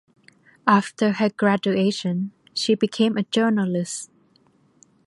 After her graduation she became a journalist.